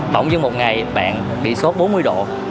bỗng dưng một ngày bạn bị sốt bốn mươi độ